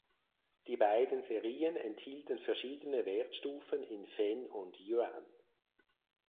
Die beiden Serien enthielten verschiedene Wertstufen in Fen und Yuan.